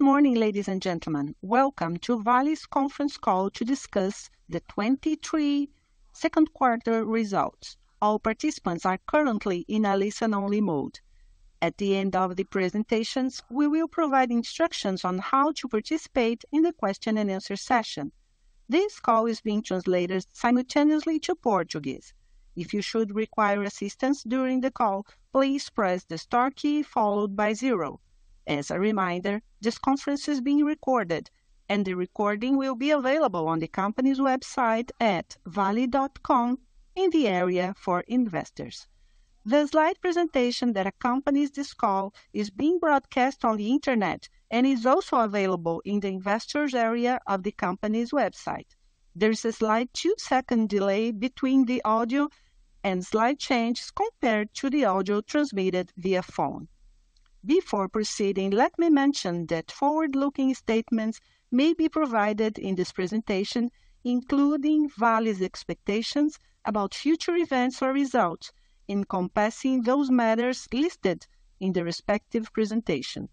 Good morning, ladies and gentlemen. Welcome to Vale's Conference Call to Discuss the 2023 Second Quarter Results. All participants are currently in a listen-only mode. At the end of the presentations, we will provide instructions on how to participate in the question and answer session. This call is being translated simultaneously to Portuguese. If you should require assistance during the call, please press the star key, followed by zero. As a reminder, this conference is being recorded, and the recording will be available on the company's website at vale.com in the area for investors. The slide presentation that accompanies this call is being broadcast on the internet, and is also available in the investors' area of the company's website. There's a slight two second delay between the audio and slide changes compared to the audio transmitted via phone. Before proceeding, let me mention that forward-looking statements may be provided in this presentation, including Vale's expectations about future events or results, encompassing those matters listed in the respective presentation.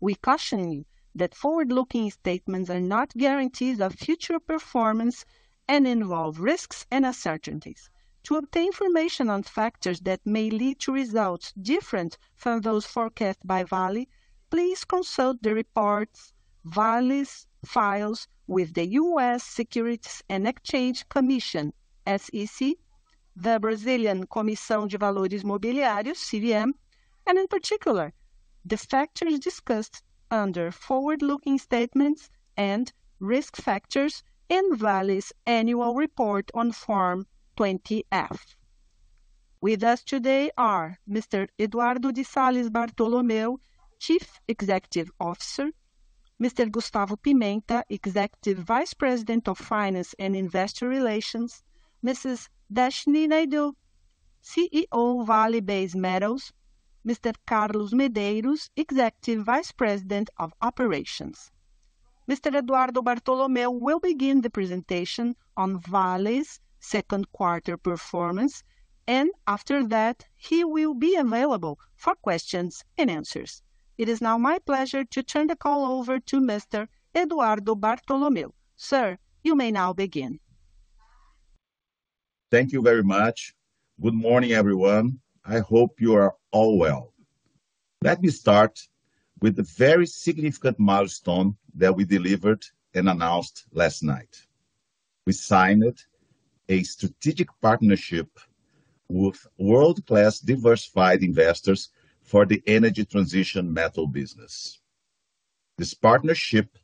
We caution you that forward-looking statements are not guarantees of future performance and involve risks and uncertainties. To obtain information on factors that may lead to results different from those forecasted by Vale, please consult the reports, Vale's files with the U.S. Securities and Exchange Commission, SEC, the Brazilian Comissão de Valores Mobiliários, CVM, and in particular, the factors discussed under forward-looking statements and risk factors in Vale's annual report on Form 20-F. With us today are Mr. Eduardo de Salles Bartolomeo, Chief Executive Officer; Mr. Gustavo Pimenta, Executive Vice President of Finance and Investor Relations; Mrs. Deshnee Naidoo, CEO, Vale Base Metals; Mr. Carlos Medeiros, Executive Vice President of Operations. Mr.Eduardo Bartolomeo will begin the presentation on Vale's second quarter performance, and after that, he will be available for questions and answers. It is now my pleasure to turn the call over to Mr. Eduardo Bartolomeo. Sir, you may now begin. Thank you very much. Good morning, everyone. I hope you are all well. Let me start with a very significant milestone that we delivered and announced last night. We signed a strategic partnership with world-class diversified investors for the Energy Transition Metals business. This partnership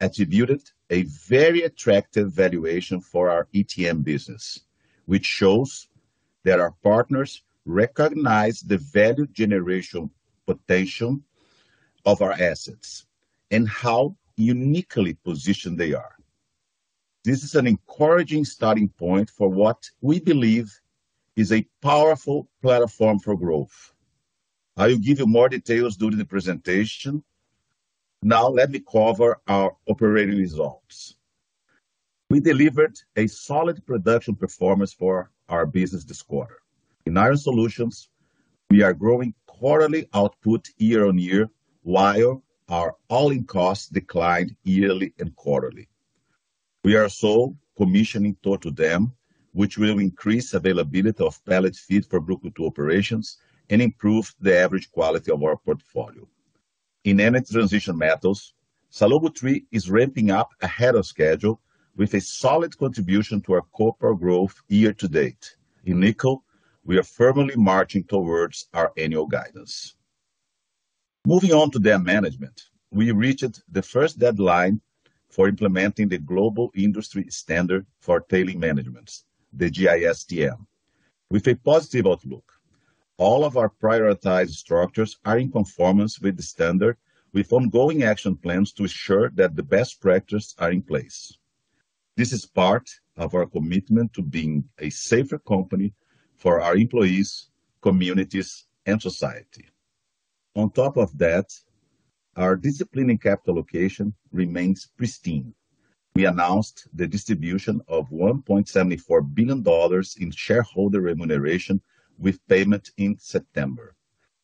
attributed a very attractive valuation for our ETM business, which shows that our partners recognize the value generation potential of our assets and how uniquely positioned they are. This is an encouraging starting point for what we believe is a powerful platform for growth. I will give you more details during the presentation. Let me cover our operating results. We delivered a solid production performance for our business this quarter. In Iron Ore Solutions, we are growing quarterly output year-on-year, while our all-in costs declined yearly and quarterly. We are also commissioning Torto Dam, which will increase availability of pellet feed for Brucutu operations and improve the average quality of our portfolio. In Energy Transition Metals, Salobo-III is ramping up ahead of schedule with a solid contribution to our corporate growth year to date. In Nickel, we are firmly marching towards our annual guidance. Moving on to dam management, we reached the first deadline for implementing the Global Industry Standard for Tailings Management, the GISTM, with a positive outlook. All of our prioritized structures are in conformance with the standard, with ongoing action plans to ensure that the best practices are in place. This is part of our commitment to being a safer company for our employees, communities, and society. On top of that, our discipline in capital allocation remains pristine. We announced the distribution of $1.74 billion in shareholder remuneration with payment in September.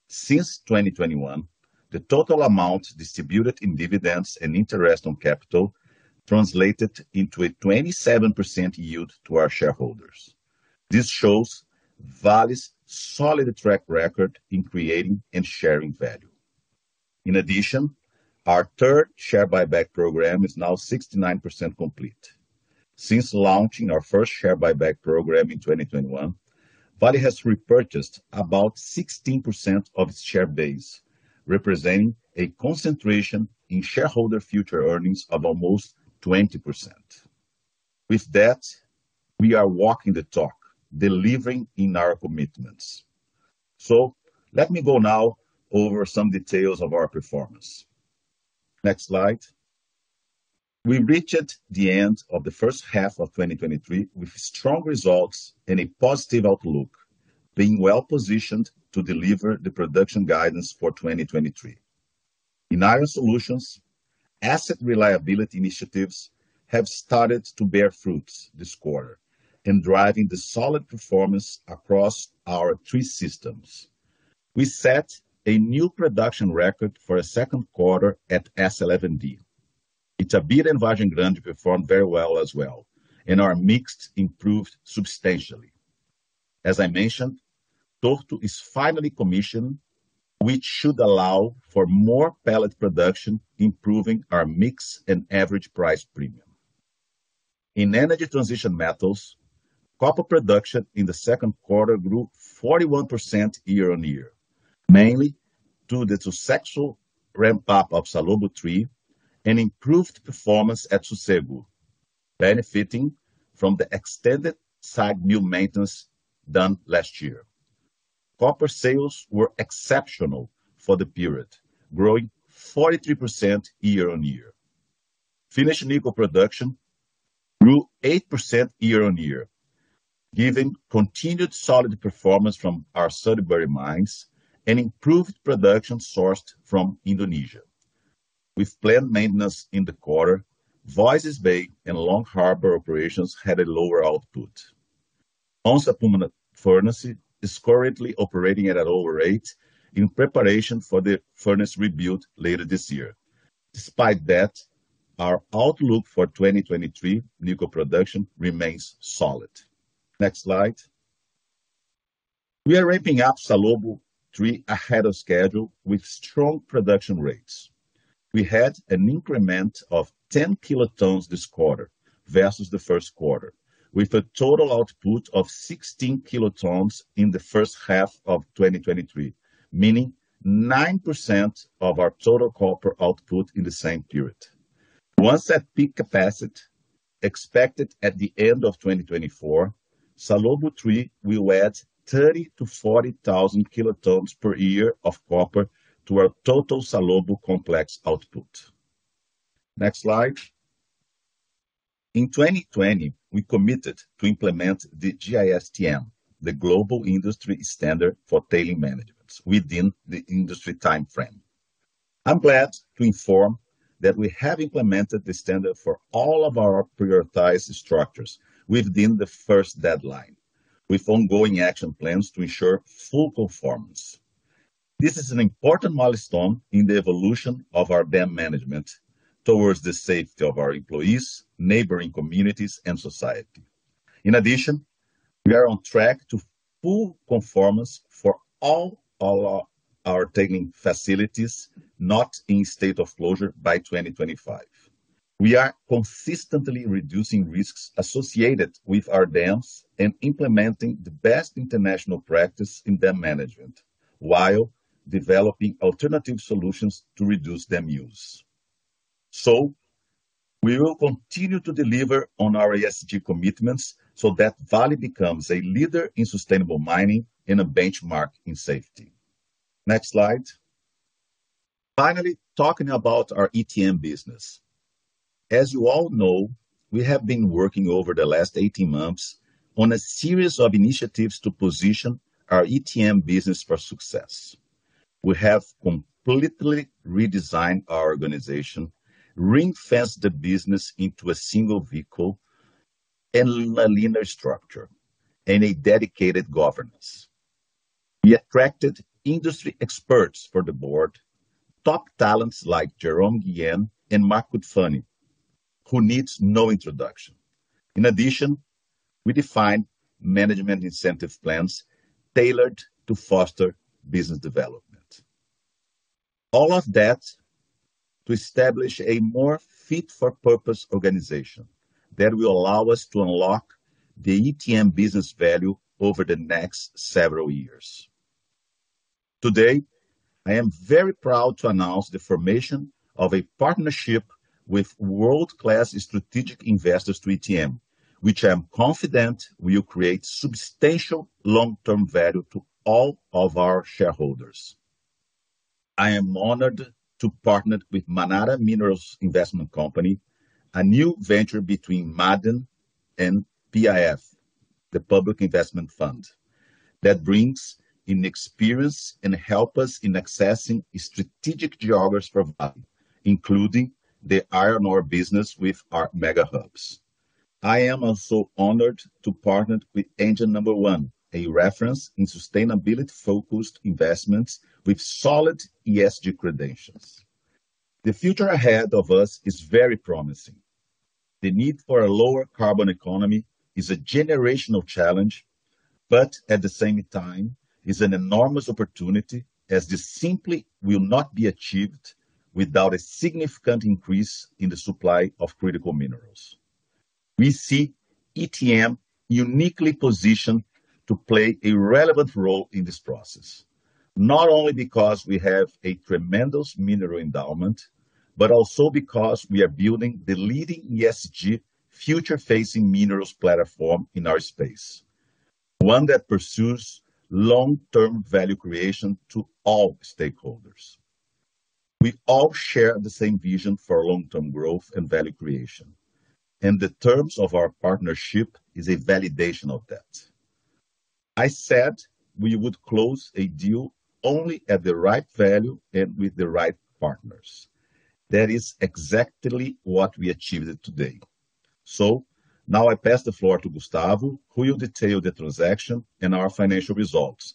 Since 2021, the total amount distributed in dividends and Interest on Capital translated into a 27% yield to our shareholders. This shows Vale's solid track record in creating and sharing value. In addition, our third share buyback program is now 69% complete. Since launching our first share buyback program in 2021, Vale has repurchased about 16% of its share base, representing a concentration in shareholder future earnings of almost 20%. With that, we are walking the talk, delivering in our commitments. Let me go now over some details of our performance. Next slide. We reached the end of the first half of 2023 with strong results and a positive outlook, being well-positioned to deliver the production guidance for 2023. In Iron Ore Solutions - Asset reliability initiatives have started to bear fruits this quarter, and driving the solid performance across our three systems. We set a new production record for a second quarter at S11D. Itabira and Vargem Grande performed very well as well, and our mix improved substantially. As I mentioned, Torto is finally commissioned, which should allow for more pellet production, improving our mix and average price premium. In Energy Transition Metals, copper production in the second quarter grew 41% year-on-year, mainly due to successful ramp-up of Salobo III and improved performance at Sossego, benefiting from the extended SAG mill maintenance done last year. Copper sales were exceptional for the period, growing 43% year-on-year. Finished nickel production grew 8% year-on-year, giving continued solid performance from our Sudbury mines and improved production sourced from Indonesia. With planned maintenance in the quarter, Voisey's Bay and Long Harbuor operations had a lower output. Onça Puma Furnace is currently operating at a lower rate in preparation for the furnace rebuild later this year. Despite that, our outlook for 2023 Nickel production remains solid. Next slide. We are ramping up Salobo III ahead of schedule with strong production rates. We had an increment of 10 kilotons this quarter versus the first quarter, with a total output of 16 kilotons in the first half of 2023, meaning 9% of our total copper output in the same period. Once at peak capacity, expected at the end of 2024, Salobo III will add 30,000-40,000 kilotons per year of copper to our total Salobo complex output. Next slide. In 2020, we committed to implement the GISTM, the Global Industry Standard for Tailings Management, within the industry timeframe. I'm glad to inform that we have implemented the standard for all of our prioritized structures within the first deadline, with ongoing action plans to ensure full conformance. This is an important milestone in the evolution of our dam management towards the safety of our employees, neighboring communities, and society. In addition, we are on track to full conformance for all our tailing facilities, not in state of closure by 2025. We are consistently reducing risks associated with our dams and implementing the best international practice in dam management, while developing alternative solutions to reduce dam use. We will continue to deliver on our ESG commitments so that Vale becomes a leader in sustainable mining and a benchmark in safety. Next slide. Finally, talking about our ETM business. As you all know, we have been working over the last 18 months on a series of initiatives to position our ETM business for success. We have completely redesigned our organization, ring-fenced the business into a single vehicle and a linear structure, and a dedicated governance. We attracted industry experts for the board, top talents like Jérôme Guillen and Mark Cutifani, who needs no introduction. In addition, we defined management incentive plans tailored to foster business development. All of that to establish a more fit-for-purpose organization that will allow us to unlock the ETM business value over the next several years. Today, I am very proud to announce the formation of a partnership with world-class strategic investors to ETM, which I am confident will create substantial long-term value to all of our shareholders. I am honored to partner with Manara Minerals Investment Company, a new venture between Ma'aden and PIF, the Public Investment Fund, that brings in experience and help us in accessing strategic geographies for Vale, including the iron ore business with our Mega Hubs. I am also honored to partner with Engine No.1, a reference in sustainability-focused investments with solid ESG credentials. The future ahead of us is very promising. The need for a lower carbon economy is a generational challenge, but at the same time is an enormous opportunity, as this simply will not be achieved without a significant increase in the supply of critical minerals. We see ETM uniquely positioned to play a relevant role in this process, not only because we have a tremendous mineral endowment, but also because we are building the leading ESG future-facing minerals platform in our space, one that pursues long-term value creation to all stakeholders. We all share the same vision for long-term growth and value creation, the terms of our partnership is a validation of that. I said we would close a deal only at the right value and with the right partners. That is exactly what we achieved today. Now I pass the floor to Gustavo, who will detail the transaction and our financial results.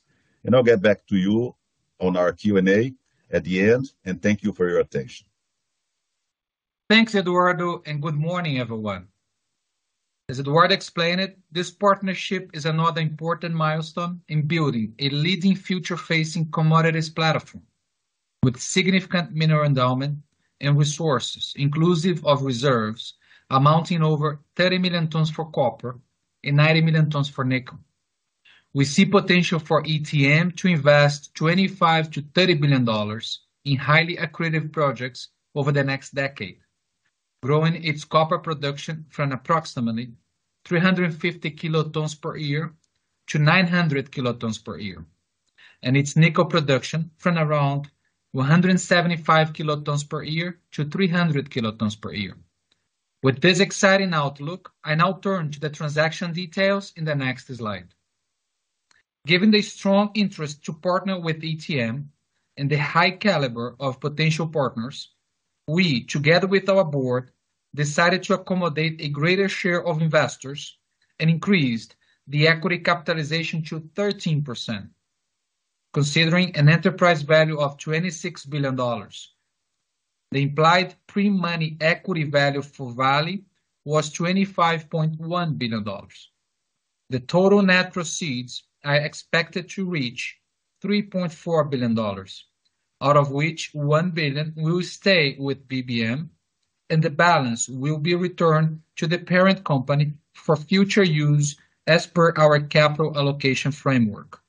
I'll get back to you on our Q&A at the end, and thank you for your attention. Thanks, Eduardo. Good morning, everyone. As Eduardo explained it, this partnership is another important milestone in building a leading, future-facing commodities platform, with significant mineral endowment and resources, inclusive of reserves amounting over 30 million tons for copper and 90 million tons for nickel. We see potential for ETM to invest $25 billion-$30 billion in highly accretive projects over the next decade, growing its copper production from approximately 350 kilotons per year to 900 kilotons per year, and its nickel production from around 175 kilotons per year to 300 kilotons per year. With this exciting outlook, I now turn to the transaction details in the next slide. Given the strong interest to partner with ETM and the high caliber of potential partners, we, together with our board, decided to accommodate a greater share of investors and increased the equity capitalization to 13%, considering an enterprise value of $26 billion. The implied pre-money equity value for Vale was $25.1 billion. The total net proceeds are expected to reach $3.4 billion, out of which $1 billion will stay with VBM, and the balance will be returned to the parent company for future use as per our capital allocation framework.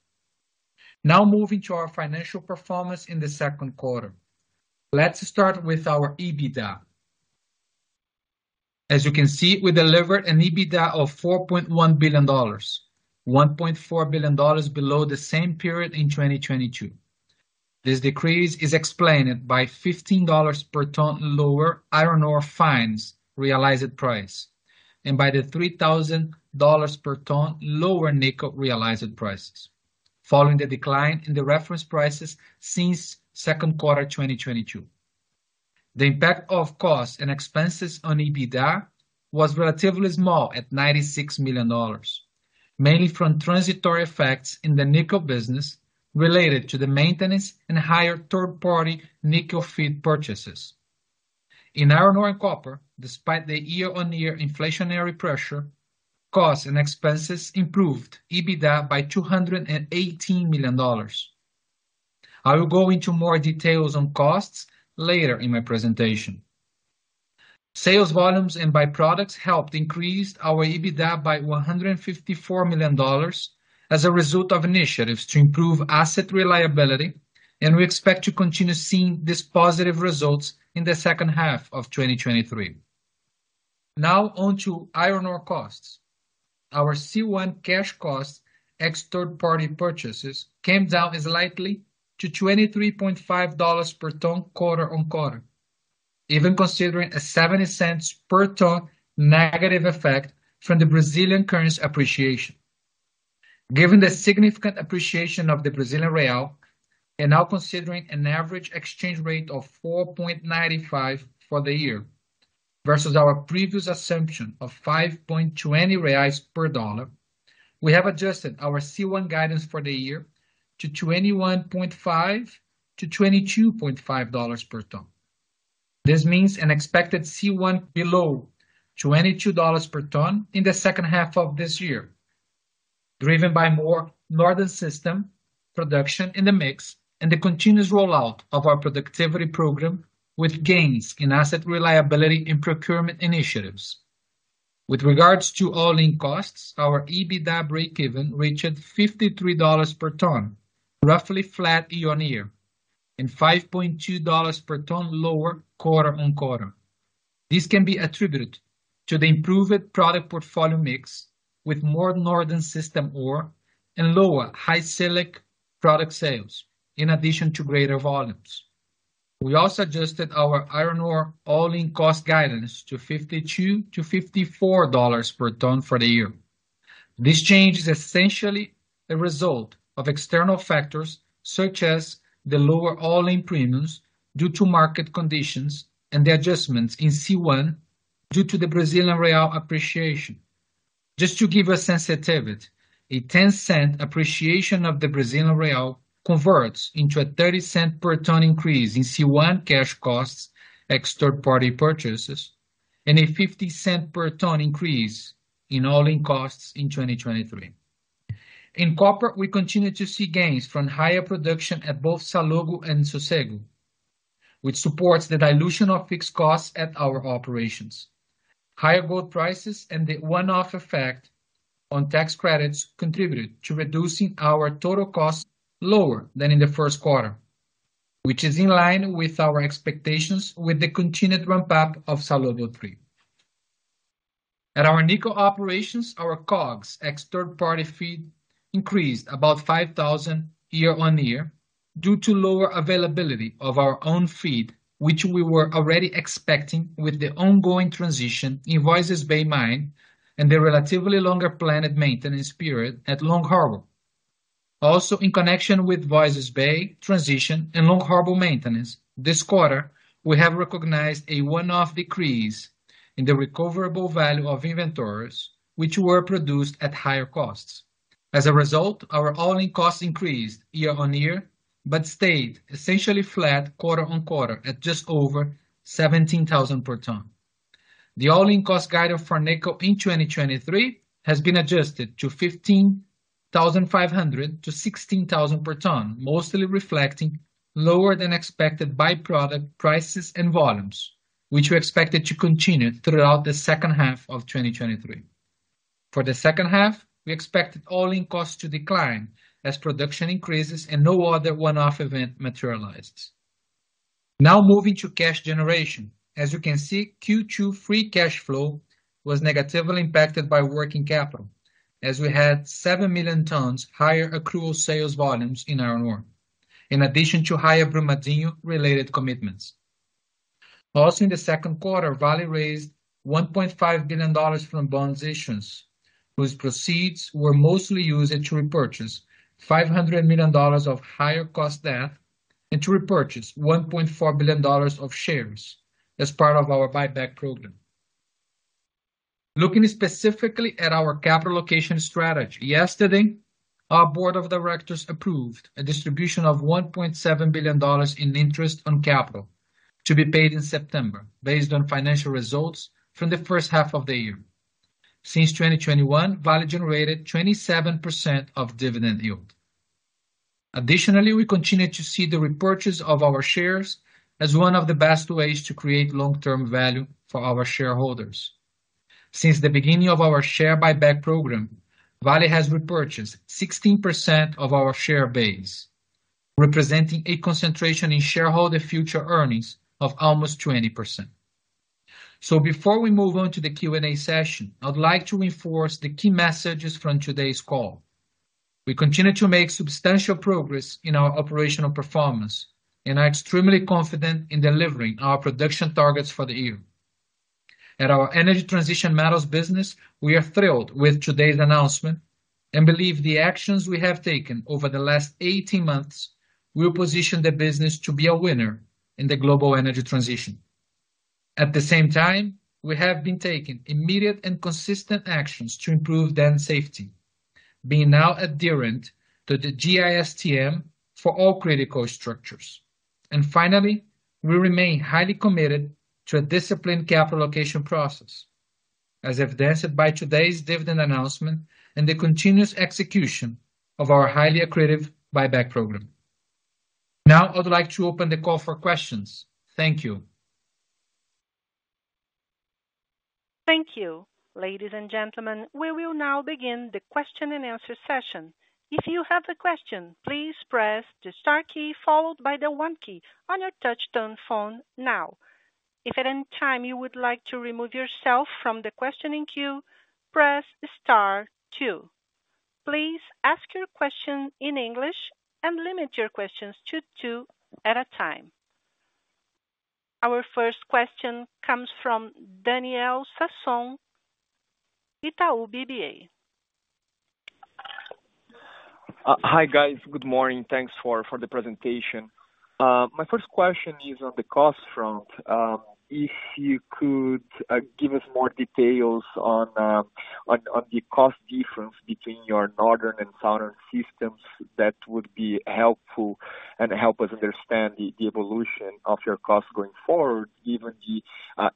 Moving to our financial performance in the second quarter. Let's start with our EBITDA. As you can see, we delivered an EBITDA of $4.1 billion, $1.4 billion below the same period in 2022. This decrease is explained by $15 per ton lower iron ore fines realized price, and by the $3,000 per ton lower nickel realized prices, following the decline in the reference prices since second quarter 2022. The impact of costs and expenses on EBITDA was relatively small, at $96 million, mainly from transitory effects in the nickel business related to the maintenance and higher third-party nickel feed purchases. In iron ore and copper, despite the year-on-year inflationary pressure, costs and expenses improved EBITDA by $218 million. I will go into more details on costs later in my presentation. Sales volumes and byproducts helped increase our EBITDA by $154 million as a result of initiatives to improve asset reliability. We expect to continue seeing these positive results in the second half of 2023. Now on to iron ore costs. Our C1 cash cost, ex third-party purchases, came down slightly to $23.5 per ton, quarter-on-quarter, even considering a $0.70 per ton negative effect from the Brazilian currency appreciation. Given the significant appreciation of the Brazilian real, now considering an average exchange rate of 4.95 for the year versus our previous assumption of 5.20 reais per dollar, we have adjusted our C1 guidance for the year to $21.5-$22.5 per ton. This means an expected C1 below $22 per ton in the second half of this year, driven by more northern system production in the mix and the continuous rollout of our productivity program, with gains in asset reliability and procurement initiatives. With regards to all-in costs, our EBITDA breakeven reached $53 per ton, roughly flat year-on-year, and $5.2 per ton lower, quarter-on-quarter. This can be attributed to the improved product portfolio mix, with more northern system ore and lower high-silica product sales, in addition to greater volumes. We also adjusted our iron ore all-in cost guidance to $52-$54 per ton for the year. This change is essentially a result of external factors, such as the lower all-in premiums due to market conditions and the adjustments in C1 due to the Brazilian real appreciation. Just to give a sensitivity, a $0.10 appreciation of the Brazilian real converts into a $0.30 per ton increase in C1 cash cost, ex third-party purchases, and a $0.50 per ton increase in all-in costs in 2023. In copper, we continue to see gains from higher production at both Salobo and Sossego, which supports the dilution of fixed costs at our operations. Higher gold prices and the one-off effect on tax credits contributed to reducing our total costs lower than in the first quarter, which is in line with our expectations with the continued ramp-up of Salobo III. At our nickel operations, our COGS, ex third-party feed, increased about $5,000 year-on-year due to lower availability of our own feed, which we were already expecting with the ongoing transition in Voisey's Bay mine and the relatively longer planned maintenance period at Long Harbour. In connection with Voisey's Bay transition and Long Harbour maintenance, this quarter, we have recognized a one-off decrease in the recoverable value of inventories, which were produced at higher costs. As a result, our all-in costs increased year-on-year, but stayed essentially flat quarter-on-quarter at just over $17,000 per ton. The all-in cost guidance for Nickel in 2023 has been adjusted to $15,500-$16,000 per ton, mostly reflecting lower than expected by-product prices and volumes, which we expected to continue throughout the second half of 2023. For the second half, we expected all-in costs to decline as production increases and no other one-off event materializes. Now moving to cash generation. As you can see, Q2 free cash flow was negatively impacted by working capital, as we had 7 million tons higher accrual sales volumes in iron ore, in addition to higher Brumadinho related commitments. In the second quarter, Vale raised $1.5 billion from bond issues, whose proceeds were mostly used to repurchase $500 million of higher cost debt and to repurchase $1.4 billion of shares as part of our buyback program. Looking specifically at our capital location strategy, yesterday, our board of directors approved a distribution of $1.7 billion in Interest on Capital to be paid in September, based on financial results from the first half of the year. Since 2021, Vale generated 27% of dividend yield. Additionally, we continue to see the repurchase of our shares as one of the best ways to create long-term value for our shareholders. Since the beginning of our share buyback program, Vale has repurchased 16% of our share base, representing a concentration in shareholder future earnings of almost 20%. Before we move on to the Q&A session, I'd like to reinforce the key messages from today's call. We continue to make substantial progress in our operational performance and are extremely confident in delivering our production targets for the year. At our Energy Transition Metals business, we are thrilled with today's announcement and believe the actions we have taken over the last 18 months will position the business to be a winner in the global energy transition. At the same time, we have been taking immediate and consistent actions to improve dam safety, being now adherent to the GISTM for all critical structures. Finally, we remain highly committed to a disciplined capital allocation process, as evidenced by today's dividend announcement and the continuous execution of our highly accretive buyback program. Now, I'd like to open the call for questions. Thank you. Thank you. Ladies and gentlemen, we will now begin the question and answer session. If you have a question, please press the star key followed by the one key on your touchtone phone now. If at any time you would like to remove yourself from the questioning queue, press star two. Please ask your question in English and limit your questions to two at a time. Our first question comes from Daniel Sasson, Itaú BBA. Hi, guys. Good morning. Thanks for, for the presentation. My first question is on the cost front. If you could give us more details on, on, on the cost difference between your northern and southern systems, that would be helpful and help us understand the evolution of your costs going forward, given the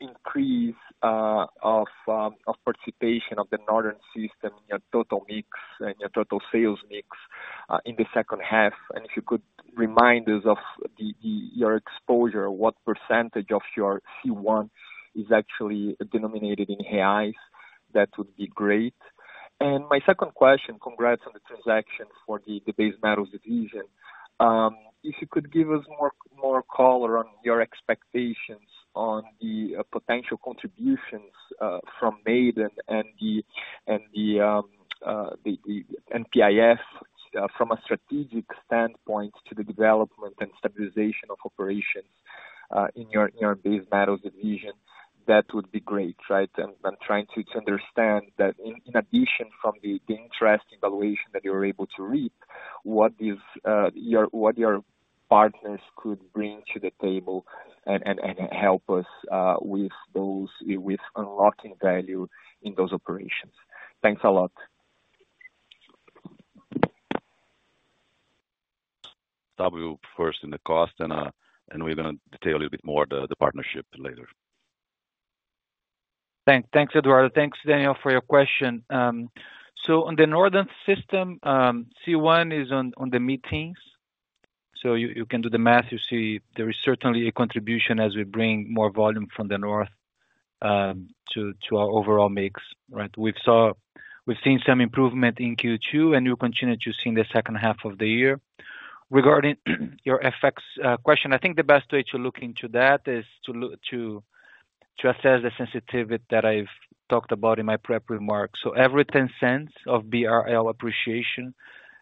increase of participation of the northern system in your total mix and your total sales mix in the second half. If you could remind us of your exposure, what percent of your C1 is actually denominated in AIs, that would be great? My second question, congrats on the transaction for the, the base metals division. If you could give us more, more color on your expectations on the potential contributions from Ma'aden and the PIF from a strategic standpoint to the development and stabilization of operations in your base metals division, that would be great, right? I'm trying to understand that in addition from the interest evaluation that you were able to reap, what is your what your partners could bring to the table and help us with those with unlocking value in those operations? Thanks a lot. First in the cost, and we're gonna detail a little bit more the, the partnership later. Thanks, thanks, Eduardo. Thanks, Daniel, for your question. On the northern system, C1 is on, on the mid things. You, you can do the math, you see there is certainly a contribution as we bring more volume from the north, to, to our overall mix, right? We've seen some improvement in Q2, and we'll continue to see in the second half of the year. Regarding your FX, question, I think the best way to look into that is to look to to assess the sensitivity that I've talked about in my prep remarks. Every $0.10 of BRL appreciation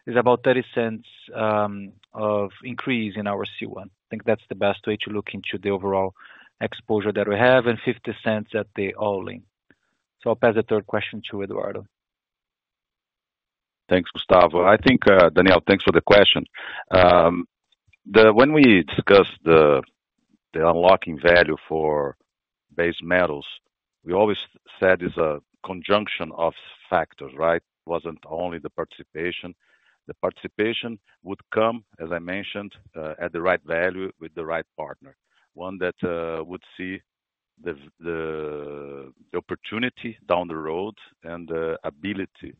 is about $0.30 of increase in our C1. I think that's the best way to look into the overall exposure that we have, and $0.50 at the all-in. I'll pass the third question to Eduardo. Thanks, Gustavo. I think, Daniel, thanks for the question. When we discussed the unlocking value for base metals, we always said it's a conjunction of factors, right? It wasn't only the participation. The participation would come, as I mentioned, at the right value with the right partner, one that would see the opportunity down the road and the ability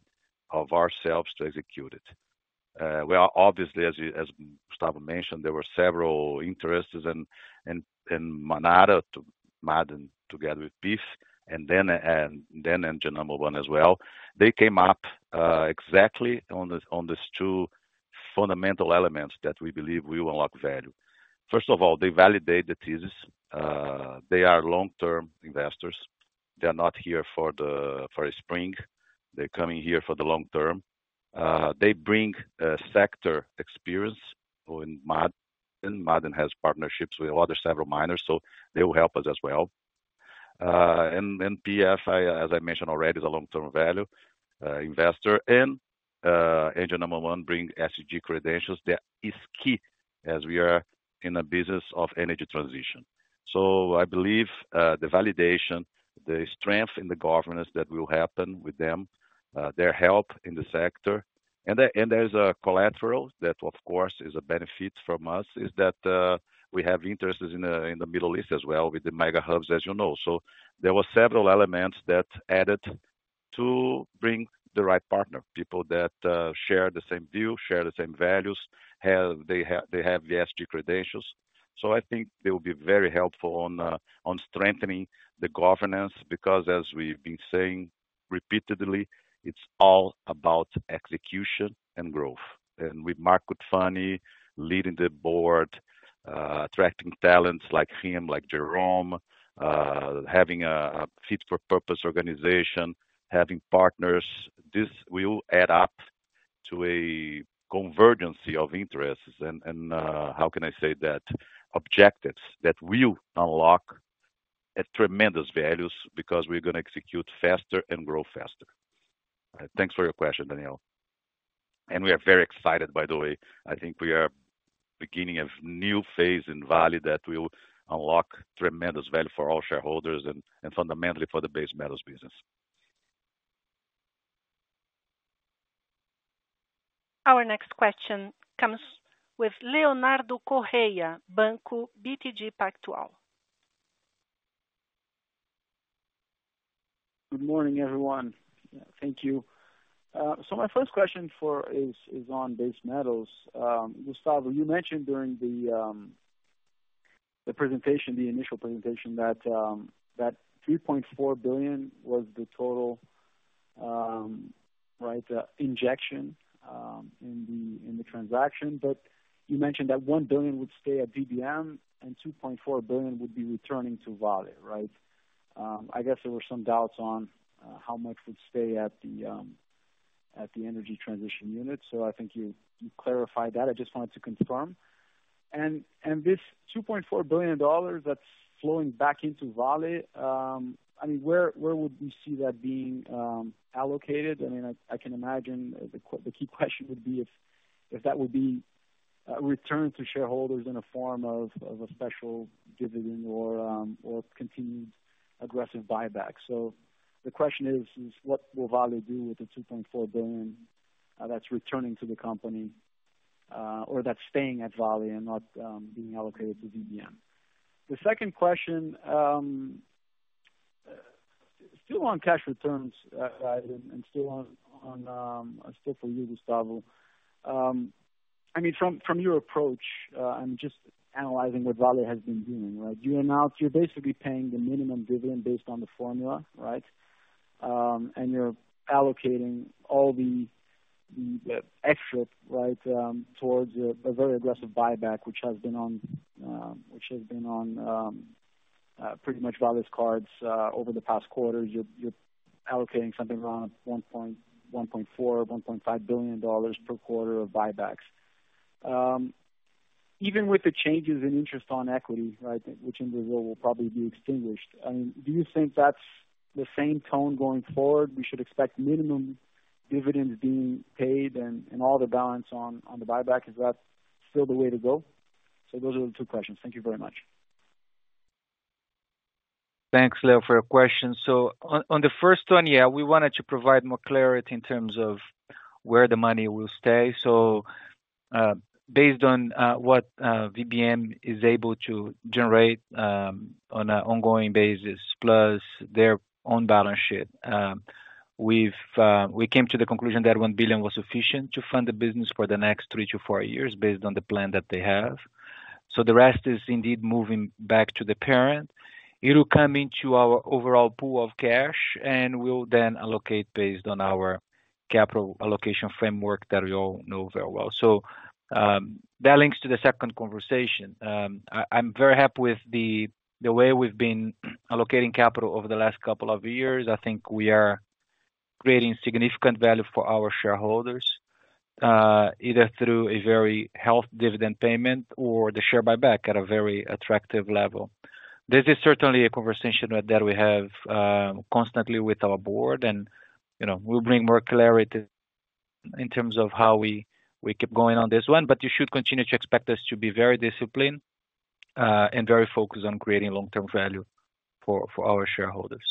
of ourselves to execute it. Well, obviously, as you, as Gustavo mentioned, there were several interested in Manara and Ma'aden together with PIF, and then Engine No. 1 as well. They came up exactly on this, on these two fundamental elements that we believe will unlock value. First of all, they validate the thesis. They are long-term investors. They are not here for the, for a spring. They're coming here for the long term. They bring sector experience in Ma'aden. Ma'aden has partnerships with other several miners, they will help us as well. PIF, as I mentioned already, is a long-term value investor, and Engine No. 1 bring SEG credentials. That is key as we are in a business of Energy Transition. I believe the validation, the strength in the governance that will happen with them, their help in the sector, and there, and there's a collateral that, of course, is a benefit from us, is that we have interests in the Middle East as well, with the Mega Hubs, as you know. There were several elements that added to bring the right partner, people that share the same view, share the same values, they have, they have the SG credentials. I think they will be very helpful on strengthening the governance, because as we've been saying repeatedly, it's all about execution and growth. With Mark Cutifani leading the board, attracting talents like him, like Jerome, having a fit for purpose organization, having partners, this will add up to a convergence of interests. How can I say that? Objectives that will unlock a tremendous values because we're gonna execute faster and grow faster. Thanks for your question, Daniel. We are very excited, by the way. I think we are beginning a new phase in Vale that will unlock tremendous value for all shareholders and fundamentally for the base metals business. Our next question comes with Leonardo Correa, Banco BTG Pactual. Good morning, everyone. Thank you. My first question for is, is on base metals. Gustavo, you mentioned during the presentation, the initial presentation, that $3.4 billion was the total, right, injection, in the transaction. You mentioned that $1 billion would stay at VBM, and $2.4 billion would be returning to Vale, right? I guess there were some doubts on how much would stay at the energy transition unit. I think you, you clarified that. I just wanted to confirm. This $2.4 billion that's flowing back into Vale, I mean, where, where would we see that being allocated? I mean, I, I can imagine the key question would be if, if that would be returned to shareholders in the form of a special dividend or continued aggressive buyback. The question is: What will Vale do with the $2.4 billion that's returning to the company or that's staying at Vale and not being allocated to VBM? The second question, still on cash returns, and still on, still for you, Gustavo. I mean, from, from your approach, I'm just analyzing what Vale has been doing, right? You announced you're basically paying the minimum dividend based on the formula, right? You're allocating all the extra, right, towards a very aggressive buyback, which has been on, which has been on pretty much Vale's cards over the past quarters. You're allocating something around $1.4 billion-$1.5 billion per quarter of buybacks. Even with the changes in interest on equity, right, which in the world will probably be extinguished, I mean, do you think that's the same tone going forward? We should expect minimum dividends being paid and all the balance on the buyback. Is that still the way to go? Those are the two questions. Thank you very much. Thanks, Leo, for your question. On, on the first one, yeah, we wanted to provide more clarity in terms of where the money will stay. Based on what VBM is able to generate on an ongoing basis, plus their own balance sheet, we came to the conclusion that $1 billion was sufficient to fund the business for the next three to four years, based on the plan that they have. The rest is indeed moving back to the parent. It will come into our overall pool of cash, and we'll then allocate based on our capital allocation framework that we all know very well. That links to the second conversation. I, I'm very happy with the way we've been allocating capital over the last couple of years. I think we are... creating significant value for our shareholders, either through a very healthy dividend payment or the share buyback at a very attractive level. This is certainly a conversation that, that we have, constantly with our board, and, you know, we'll bring more clarity in terms of how we, we keep going on this one. You should continue to expect us to be very disciplined, and very focused on creating long-term value for, for our shareholders.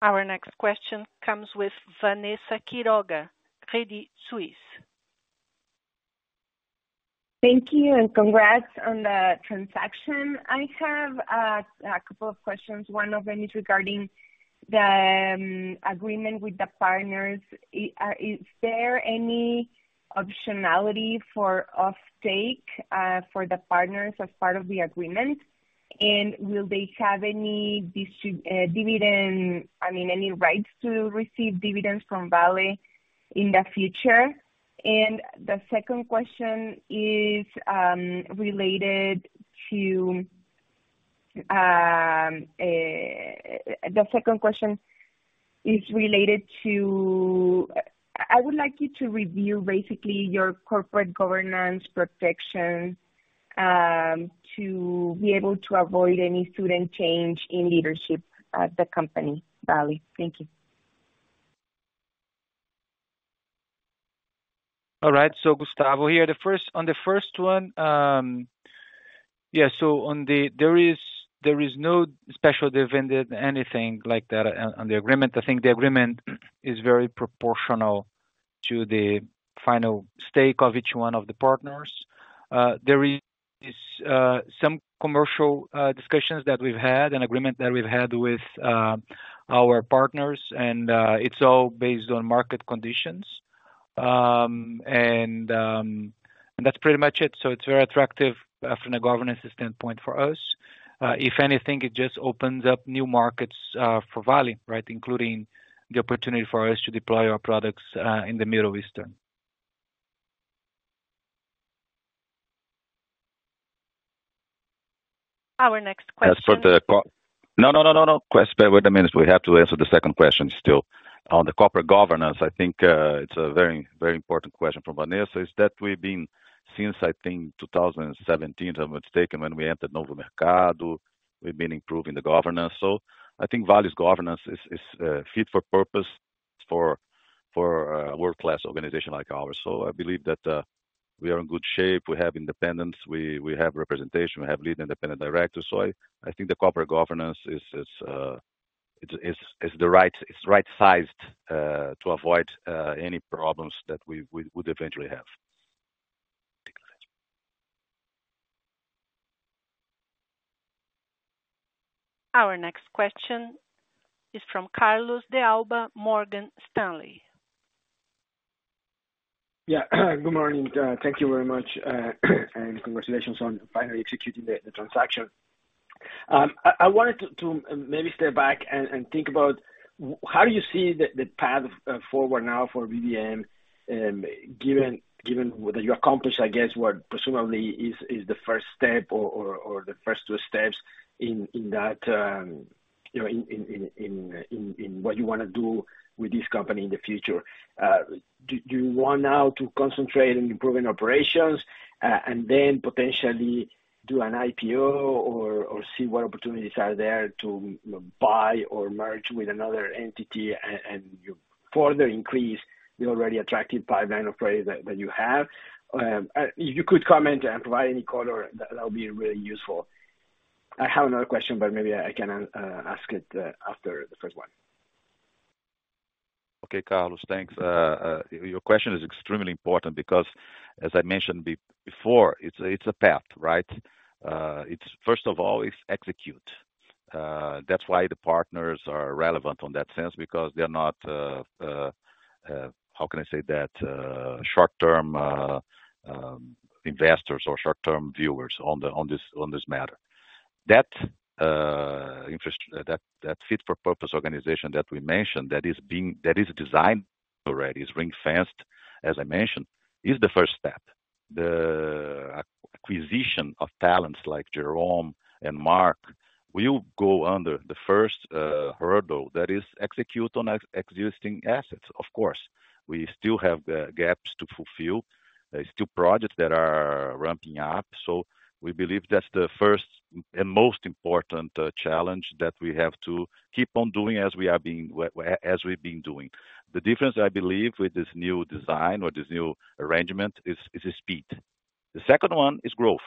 Our next question comes with Vanessa Quiroga, Credit Suisse. Thank you, and congrats on the transaction. I have a couple of questions. One of them is regarding the agreement with the partners. Is there any optionality for off take for the partners as part of the agreement? Will they have any distri- dividend, I mean, any rights to receive dividends from Vale in the future? The second question is related to, I would like you to review basically your corporate governance protection to be able to avoid any sudden change in leadership at the company, Vale. Thank you. All right. Gustavo here. On the first one, there is no special dividend, anything like that on the agreement. I think the agreement is very proportional to the final stake of each one of the partners. There is some commercial discussions that we've had and agreement that we've had with our partners, and it's all based on market conditions. And that's pretty much it. It's very attractive from a governance standpoint for us. If anything, it just opens up new markets for Vale, right? Including the opportunity for us to deploy our products in the Middle Eastern. Our next question. No, no, no, no, no. Bear with a minute. We have to answer the second question still. On the corporate governance, I think it's a very, very important question from Vanessa, is that we've been, since I think 2017, if I'm not mistaken, when we entered Novo Mercado, we've been improving the governance. I think Vale's governance is, is fit for purpose for, for a world-class organization like ours. I believe that we are in good shape. We have independence, we, we have representation, we have lead independent directors. I, I think the corporate governance is, is it's, it's, it's right-sized to avoid any problems that we, we would eventually have. Our next question is from Carlos de Alba, Morgan Stanley. Yeah. Good morning, thank you very much, and congratulations on finally executing the, the transaction. I, I wanted to, to maybe step back and, and think about how you see the, the path forward now for VBM, given, given that you accomplished, I guess, what presumably is, is the first step or, or, or the first two steps in, in that, you know, in, in, in, in, in, in what you wanna do with this company in the future. Do, do you want now to concentrate on improving operations, and then potentially do an IPO or, or see what opportunities are there to buy or merge with another entity and you further increase the already attractive pipeline of credit that, that you have? If you could comment and provide any color, that would be really useful. I have another question, but maybe I can ask it after the first one. Okay, Carlos, thanks. Your question is extremely important because as I mentioned before, it's, it's a path, right? It's first of all, it's execute. That's why the partners are relevant on that sense, because they're not, how can I say that? Short-term investors or short-term viewers on the, on this, on this matter. That interest, that, that fit for purpose organization that we mentioned, that is being that is designed already, is ring-fenced, as I mentioned, is the first step. The acquisition of talents like Jerome and Mark will go under the first hurdle, that is execute on existing assets. Of course, we still have the gaps to fulfill. There are still projects that are ramping up, so we believe that's the first and most important challenge that we have to keep on doing as we are being, as we've been doing. The difference, I believe, with this new design or this new arrangement, is, is speed. The second one is growth.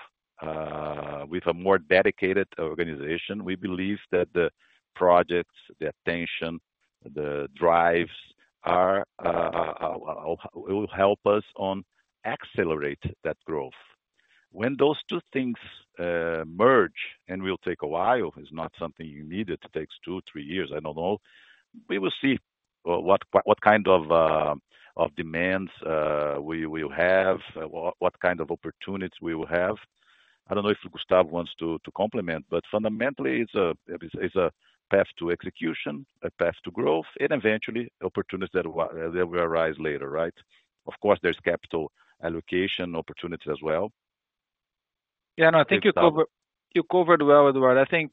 With a more dedicated organization, we believe that the projects, the attention, the drives are, will help us on accelerate that growth. ... When those two things merge, and will take a while, it's not something you need, it takes two, three years, I don't know. We will see what kind of demands we will have, what kind of opportunities we will have. I don't know if Gustavo wants to complement, but fundamentally, it's a, it's, it's a path to execution, a path to growth, and eventually opportunities that will, that will arise later, right? Of course, there's capital allocation opportunities as well. Yeah, no, I think you covered, you covered well, Eduardo. I think,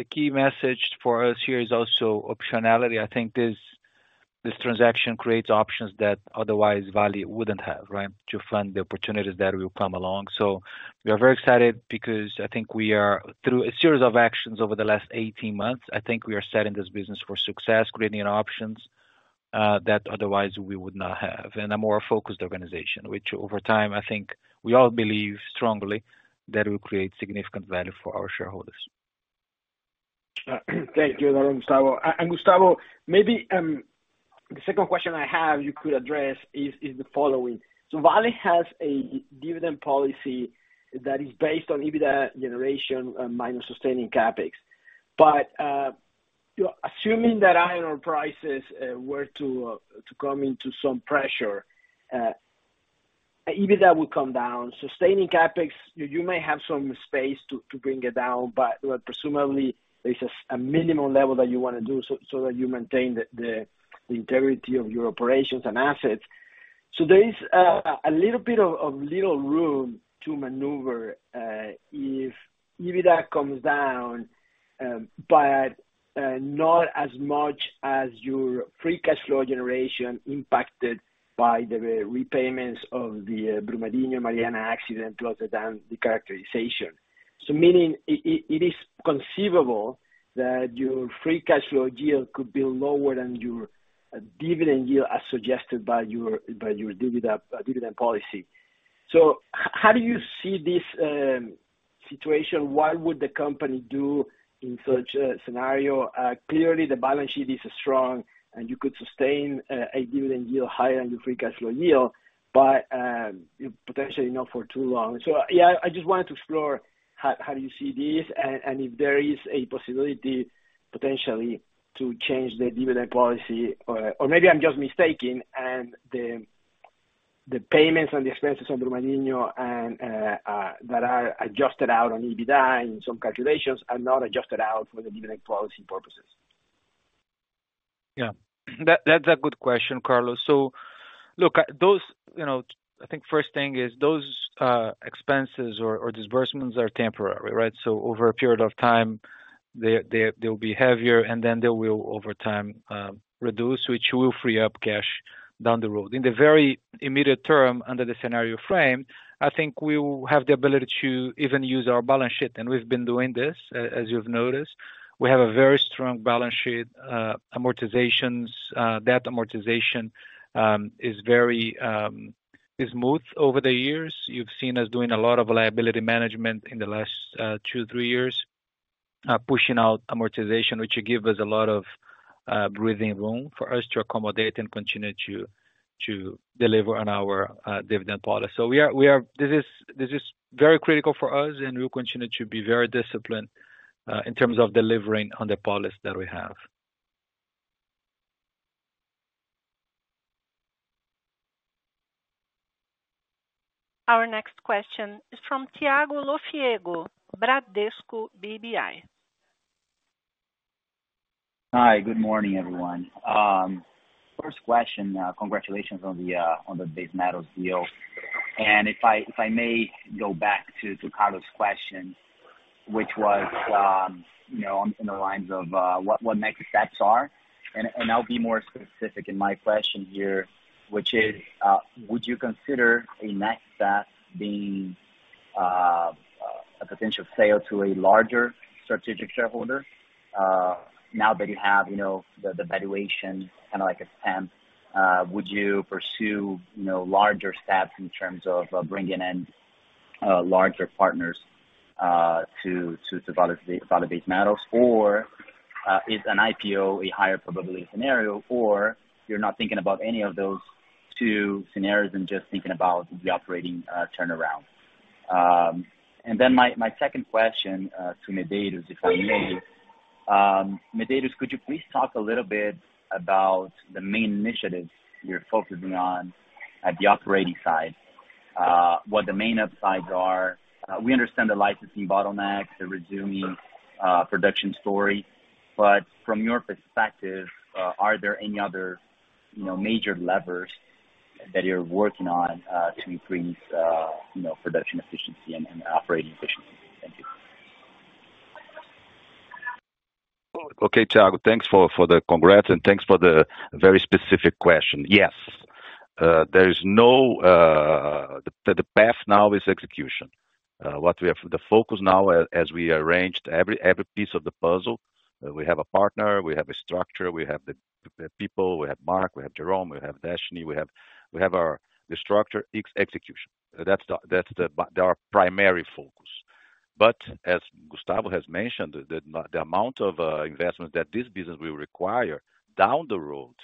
the key message for us here is also optionality. I think this, this transaction creates options that otherwise Vale wouldn't have, right? To fund the opportunities that will come along. We are very excited because I think we are through a series of actions over the last 18 months. I think we are setting this business for success, creating options that otherwise we would not have, and a more focused organization, which over time, I think we all believe strongly that will create significant value for our shareholders. Thank you, Eduardo and Gustavo. Gustavo, maybe, the second question I have you could address is the following: Vale has a dividend policy that is based on EBITDA generation minus sustaining CapEx. Assuming that iron prices were to come into some pressure, EBITDA would come down. Sustaining CapEx, you, you may have some space to, to bring it down, but well, presumably there's a minimum level that you wanna do so, so that you maintain the integrity of your operations and assets. There is a little bit of little room to maneuver if EBITDA comes down, but not as much as your free cash flow generation impacted by the repayments of the Brumadinho-Mariana accident, rather than the characterization. Meaning, it, it, it is conceivable that your free cash flow yield could be lower than your dividend yield, as suggested by your, by your dividend, dividend policy. How do you see this situation? What would the company do in such a scenario? Clearly, the balance sheet is strong, and you could sustain a dividend yield higher than the free cash flow yield, but potentially not for too long. Yeah, I just wanted to explore how, how you see this, and, and if there is a possibility potentially to change the dividend policy, or maybe I'm just mistaken, and the, the payments and the expenses on Brumadinho and that are adjusted out on EBITDA in some calculations are not adjusted out for the dividend policy purposes. Yeah. That, that's a good question, Carlos. Those, you know, I think first thing is those expenses or disbursements are temporary, right? Over a period of time, they, they, they'll be heavier, and then they will, over time, reduce, which will free up cash down the road. In the very immediate term, under the scenario frame, I think we will have the ability to even use our balance sheet, and we've been doing this, as you've noticed. We have a very strong balance sheet, amortizations. That amortization is very smooth over the years. You've seen us doing a lot of liability management in the last two, three years, pushing out amortization, which give us a lot of breathing room for us to accommodate and continue to, to deliver on our dividend policy. We are, this is, this is very critical for us, and we'll continue to be very disciplined, in terms of delivering on the policy that we have. Our next question is from Thiago Lofiego, Bradesco BBI. Hi, good morning, everyone. First question, congratulations on the on the Base Metals deal. If I, if I may go back to Carlos' question, which was, you know, on, in the lines of what, what next steps are? I'll be more specific in my question here, which is, would you consider a next step being a potential sale to a larger strategic shareholder, now that you have, you know, the, the valuation, kind of like a stamp, would you pursue, you know, larger steps in terms of bringing in larger partners to develop the Vale Base Metals? Is an IPO a higher probability scenario, or you're not thinking about any of those two scenarios and just thinking about the operating turnaround? My, my second question, to Medeiros, if I may. Medeiros, could you please talk a little bit about the main initiatives you're focusing on at the operating side? What the main upsides are. We understand the licensing bottlenecks, the resuming, production story, but from your perspective, are there any other, you know, major levers that you're working on, to increase, you know, production efficiency and, and operating efficiency? Thank you. Okay, Thiago, thanks for, for the congrats, and thanks for the very specific question. Yes, there is no. The path now is execution. The focus now as we arranged every piece of the puzzle, we have a partner, we have a structure, we have the people, we have Mark, we have Jerome, we have Deshnee, we have our, the structure is execution. That's the, that's the, our primary focus. As Gustavo has mentioned, the amount of investment that this business will require down the road,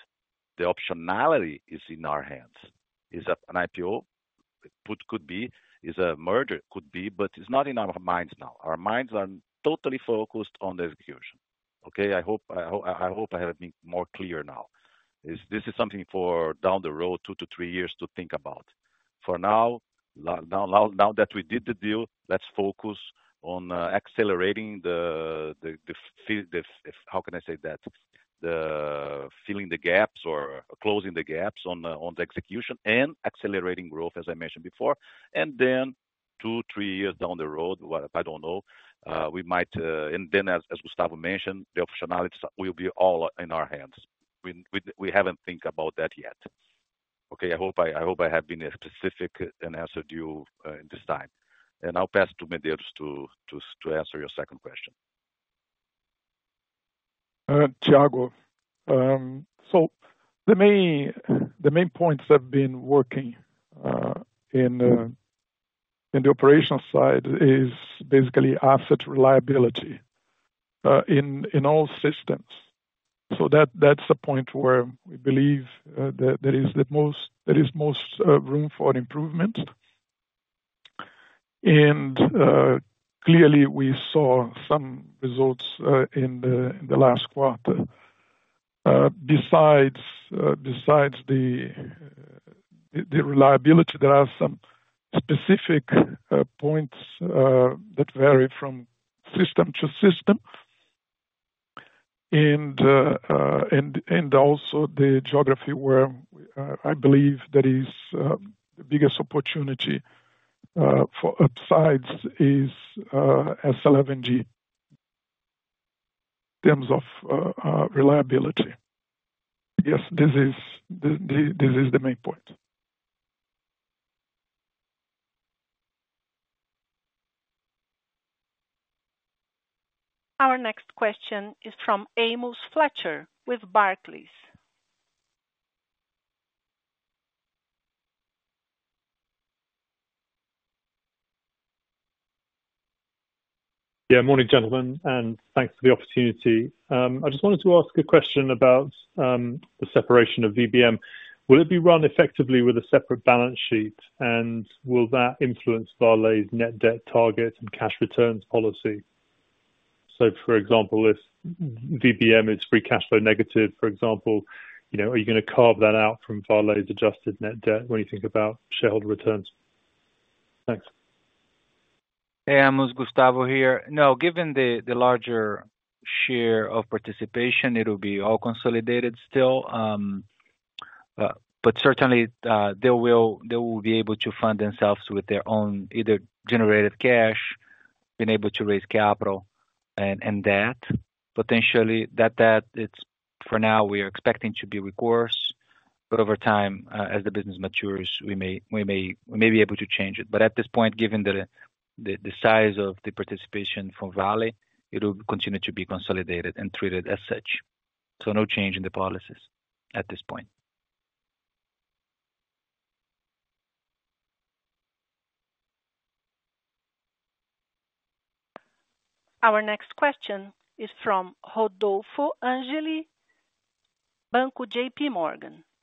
the optionality is in our hands. Is that an IPO? It could, could be. Is a merger? Could be, but it's not in our minds now. Our minds are totally focused on the execution. Okay, I hope, I hope, I hope I have been more clear now. This is something for down the road, 2-3 years to think about. For now, now, now, now that we did the deal, let's focus on accelerating the, how can I say that? The filling the gaps or closing the gaps on the execution and accelerating growth, as I mentioned before. Then two, three years down the road, well, I don't know, we might-- then as, as Gustavo mentioned, the optionalities will be all in our hands. We haven't think about that yet. Okay, I hope I, I hope I have been specific and answered you this time. I'll pass to Medeiros to answer your second question. Hey Thiago for me the main point ve been working in the operational side is basically asset reliability in all systems. That's the point where we believe that there is the most room for improvement. Clearly, we saw some results in the last quarter. Besides the reliability, there are some specific points that vary from system to system and also the geography where I believe there is the biggest opportunity for upsides is S11D, in terms of reliability. Yes, this is the main point. Our next question is from Amos Fletcher, with Barclays. Yeah. Morning, gentlemen, and thanks for the opportunity. I just wanted to ask a question about the separation of VBM. Will it be run effectively with a separate balance sheet? Will that influence Vale's net debt target and cash returns policy? For example, if VBM is free cash flow negative, for example, you know, are you gonna carve that out from Vale's adjusted net debt when you think about shareholder returns? Thanks. Hey, Amos Fletcher, Gustavo Pimenta here. Given the, the larger share of participation, it'll be all consolidated still. Certainly, they will, they will be able to fund themselves with their own either generated cash, being able to raise capital and, and debt. That debt, it's for now, we are expecting to be recourse, but over time, as the business matures, we may, we may, we may be able to change it. At this point, given the, the, the size of the participation from Vale, it will continue to be consolidated and treated as such. No change in the policies at this point. Our next question is from Rodolfo Angele, Banco JPMorgan. Hey, hi,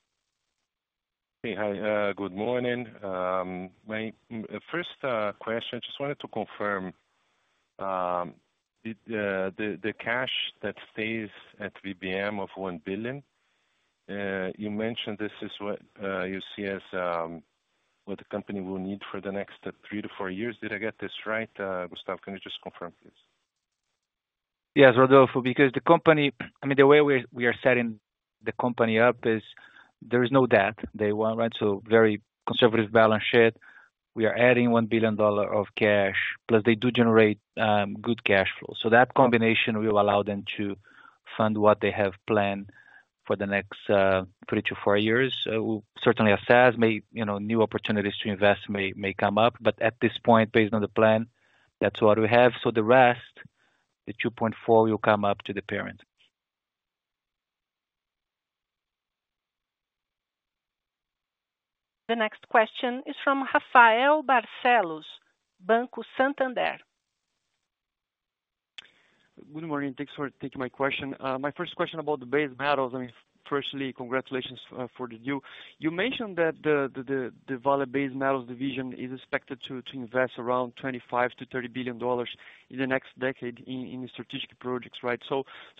good morning. My first question, just wanted to confirm, the cash that stays at VBM of $1 billion, you mentioned this is what you see as what the company will need for the next three to four years. Did I get this right, Gustavo, can you just confirm, please? Yes, Rodolfo, because the company, I mean, the way we are setting the company up is there is no debt. Day one, right? Very conservative balance sheet. We are adding $1 billion of cash, plus they do generate, good cash flow. That combination will allow them to fund what they have planned for the next, three to four years. Certainly as SaaS may, you know, new opportunities to invest may come up, but at this point, based on the plan, that's what we have. The rest, the $2.4, will come up to the parent. The next question is from Rafael Barcellos, Banco Santander. Good morning. Thanks for taking my question. My first question about the base metals. I mean, firstly, congratulations for the deal. You mentioned that the Vale Base Metals division is expected to invest around $25 billion-$30 billion in the next decade in strategic projects, right?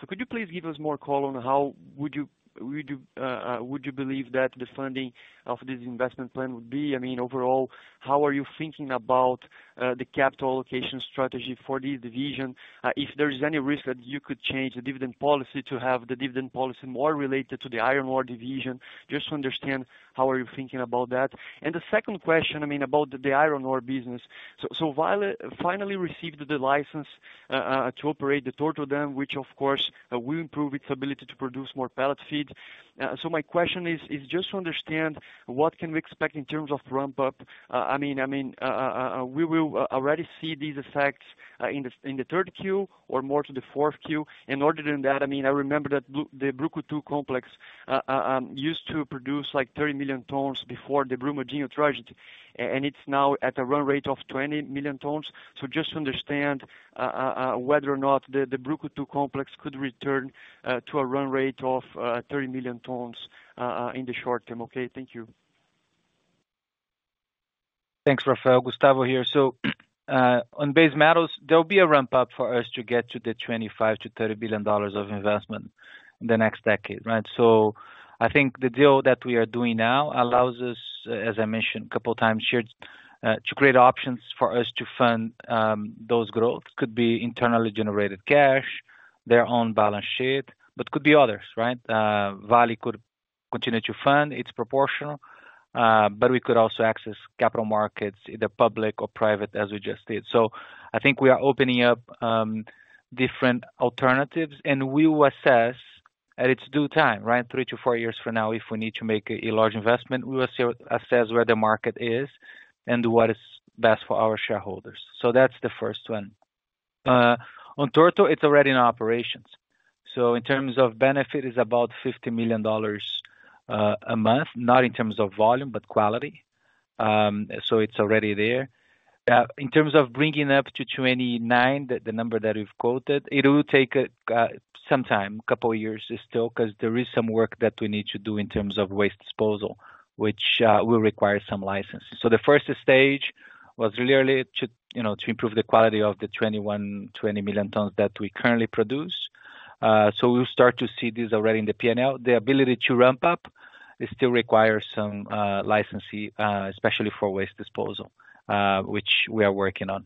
Could you please give us more call on how would you, would you believe that the funding of this investment plan would be? I mean, overall, how are you thinking about the capital allocation strategy for this division? If there is any risk that you could change the dividend policy to have the dividend policy more related to the iron ore division, just to understand, how are you thinking about that? The second question, I mean, about the iron ore business. Vale finally received the license to operate the Torto Dam, which of course, will improve its ability to produce more pellet feed. My question is, is just to understand, what can we expect in terms of ramp-up? I mean, I mean, we will a-already see these effects in the third Q or more to the fourth Q? In order to that, I mean, I remember that Bl- the Brucutu complex used to produce like 30 million tons before the Brumadinho tragedy, a-and it's now at a run rate of 20 million tons. Just to understand whether or not the Brucutu complex could return to a run rate of 30 million tons in the short term. Okay, thank you. Thanks, Rafael. Gustavo here. On base metals, there will be a ramp up for us to get to $25 billion-$30 billion of investment in the next decade, right? I think the deal that we are doing now allows us, as I mentioned a couple of times here, to create options for us to fund those growth. Could be internally generated cash, their own balance sheet, but could be others, right? Vale could continue to fund, it's proportional, but we could also access capital markets, either public or private, as we just did. I think we are opening up different alternatives, and we will assess at its due time, right? Three to four years from now, if we need to make a, a large investment, we will assess, assess where the market is and what is best for our shareholders. That's the first one. On Torto, it's already in operations, in terms of benefit, it's about $50 million a month, not in terms of volume, but quality. It's already there. In terms of bringing up to 29, the, the number that we've quoted, it will take some time, a couple of years still, because there is some work that we need to do in terms of waste disposal, which will require some licenses. The first stage was really, really to, you know, to improve the quality of the 21, 20 million tons that we currently produce. We'll start to see this already in the PNL. The ability to ramp up, it still requires some licensee, especially for waste disposal, which we are working on.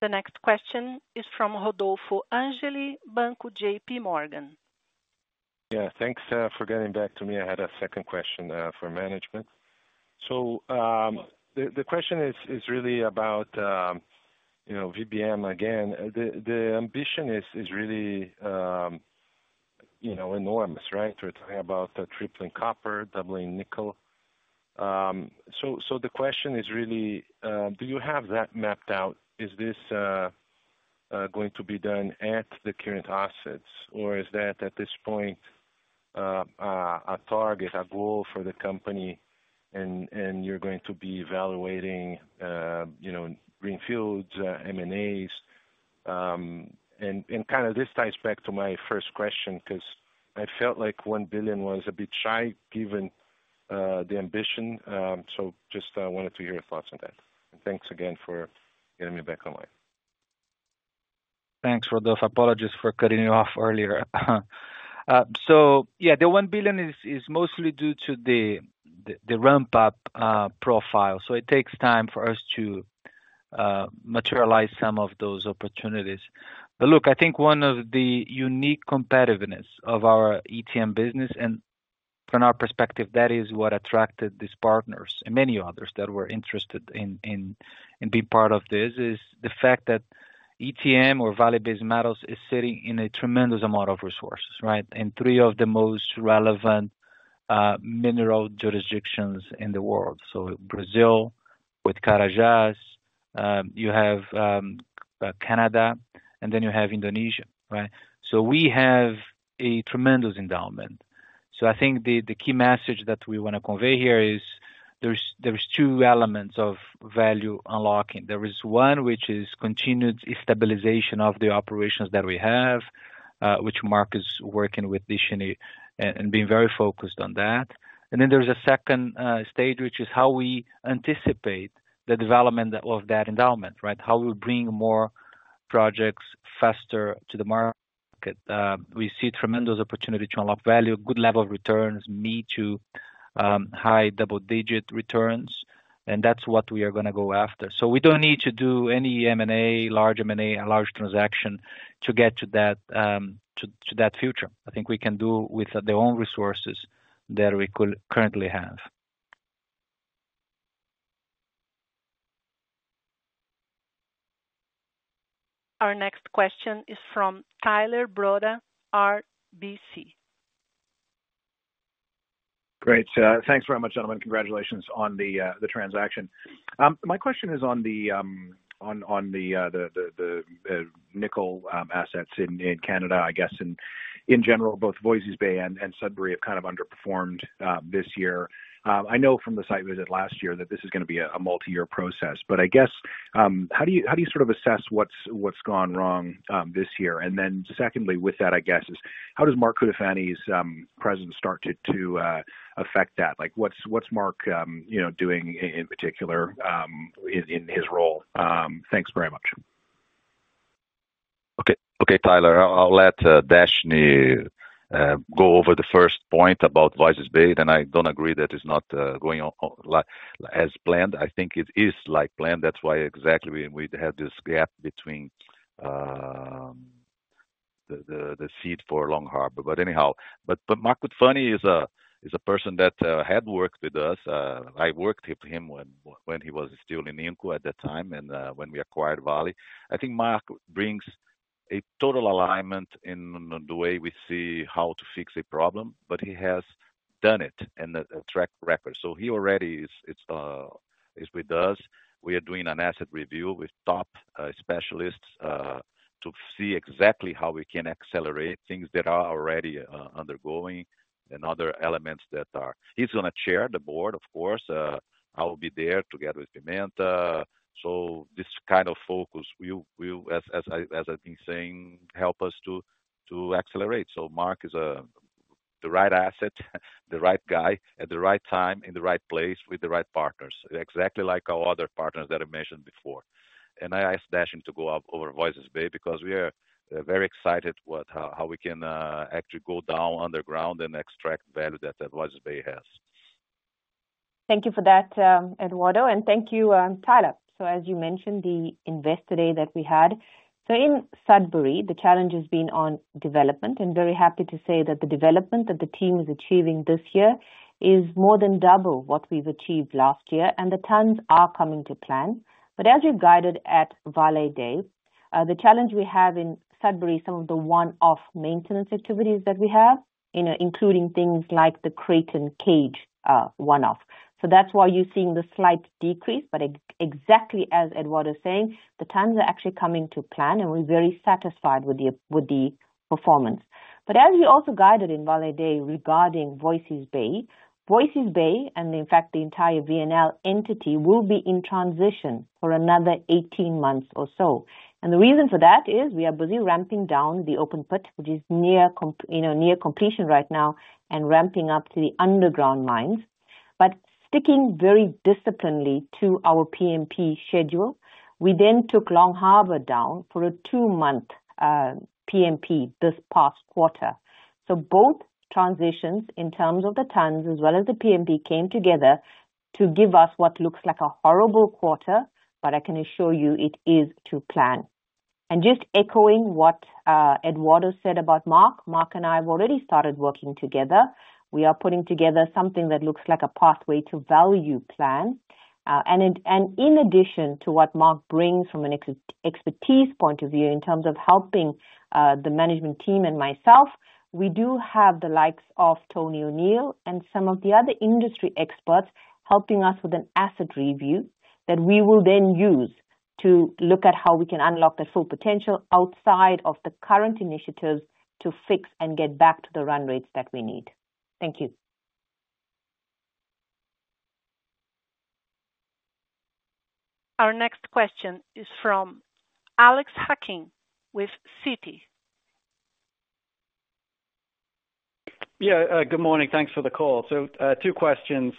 The next question is from Rodolfo Angele, JPMorgan. Yeah, thanks for getting back to me. I had a second question for management. The question is, is really about, you know, VBM again, the, the ambition is, is really, you know, enormous, right? We're talking about tripling copper, doubling nickel. The question is really, do you have that mapped out? Is this going to be done at the current assets, or is that, at this point, a target, a goal for the company and, and you're going to be evaluating, you know, greenfields, M&As? And kind of this ties back to my first question, 'cause I felt like $1 billion was a bit shy, given the ambition. Just wanted to hear your thoughts on that. Thanks again for getting me back online. Thanks, Rodolfo. Apologies for cutting you off earlier. So yeah, the $1 billion is mostly due to the ramp up profile, so it takes time for us to materialize some of those opportunities. But look, I think one of the unique competitiveness of our ETM business, and from our perspective, that is what attracted these partners and many others that were interested in being part of this, is the fact that ETM or Vale Base Metals is sitting in a tremendous amount of resources, right? In three of the most relevant mineral jurisdictions in the world. So Brazil, with Carajas, you have Canada, and then you have Indonesia, right? So we have a tremendous endowment. So I think the key message that we want to convey here is there's two elements of value unlocking. There is one, which is continued stabilization of the operations that we have, which Mark is working with Deshnee and being very focused on that. Then there's a second stage, which is how we anticipate the development of that endowment, right? How we bring more projects faster to the market. We see tremendous opportunity to unlock value, good level of returns, mid to high double-digit returns, and that's what we are gonna go after. We don't need to do any M&A, large M&A, a large transaction to get to that, to that future. I think we can do with their own resources that we could currently have. Our next question is from Tyler Broda, RBC. Great. Thanks very much, gentlemen. Congratulations on the transaction. My question is on the nickel assets in Canada. I guess, in general, both Voisey's Bay and Sudbury have kind of underperformed this year. I know from the site visit last year that this is gonna be a multi-year process, but I guess, how do you, how do you sort of assess what's gone wrong this year? Secondly, with that, I guess, is how does Mark Cutifani's presence start to affect that? Like, what's Mark, you know, doing in particular in his role? Thanks very much. Okay, okay, Tyler. I'll, I'll let Deshnee go over the first point about Voisey's Bay, and I don't agree that it's not going like as planned. I think it is like planned. That's why exactly we, we have this gap between the, the, the seed for Long Harbour. Anyhow, Mark Cutifani is a person that had worked with us. I worked with him when, when he was still in Inco at that time, and when we acquired Vale. I think Mark brings a total alignment in the way we see how to fix a problem, but he has done it and a, a track record, so he already is, it's, is with us. We are doing an asset review with top specialists to see exactly how we can accelerate things that are already undergoing and other elements that are. He's gonna chair the board, of course. I will be there together with Pimenta. This kind of focus will, will, as I, as I've been saying, help us to accelerate. Mark is. The right asset, the right guy, at the right time, in the right place with the right partners. Exactly like our other partners that I mentioned before. I asked Deshnee to go up over Voisey's Bay because we are very excited how we can actually go down underground and extract value that Voisey's Bay has. Thank you for that, Eduardo, and thank you, Tyler. As you mentioned, the Investor Day that we had. In Sudbury, the challenge has been on development. I'm very happy to say that the development that the team is achieving this year is more than double what we've achieved last year, and the tons are coming to plan. As we guided at Vale Day, the challenge we have in Sudbury, some of the one-off maintenance activities that we have, you know, including things like the Creighton cage, one-off. That's why you're seeing the slight decrease. Exactly as Eduardo is saying, the tons are actually coming to plan, and we're very satisfied with the performance. As we also guided in Vale Day regarding Voisey's Bay, Voisey's Bay, and in fact, the entire VNL entity, will be in transition for another 18 months or so. The reason for that is we are busy ramping down the open pit, which is you know, near completion right now, and ramping up to the underground mines. Sticking very disciplined to our PMP schedule, we then took Long Harbour down for a two month PMP this past quarter. Both transitions, in terms of the tons as well as the PMP, came together to give us what looks like a horrible quarter, but I can assure you it is to plan. Just echoing what Eduardo said about Mark. Mark and I have already started working together. We are putting together something that looks like a pathway to value plan. In, and in addition to what Mark brings from an ex-expertise point of view, in terms of helping the management team and myself, we do have the likes of Tony O'Neill and some of the other industry experts helping us with an asset review, that we will then use to look at how we can unlock the full potential outside of the current initiatives to fix and get back to the run rates that we need. Thank you. Our next question is from Alexander Hacking, with Citi. Yeah, good morning. Thanks for the call. Two questions.